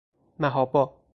محابا